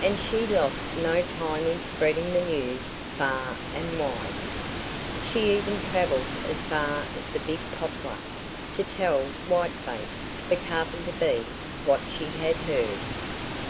And she lost no time in spreading the news far and wide. She even travelled as far as the big poplar, to tell Whiteface, the Carpenter Bee, what she had heard.